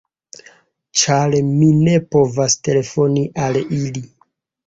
Ĉar mi ne povas telefoni al ili.